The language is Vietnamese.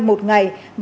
mỗi ngày mỗi chiều